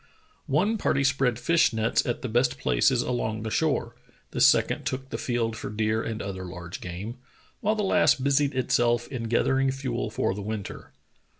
One party spread fish nets at the best places along the shore, the second took the field for deer and other large game, while the last busied itself in gathering fuel for the winter.